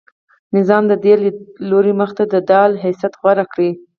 نظام د دې لیدلوري مخې ته د ډال حیثیت غوره کړی.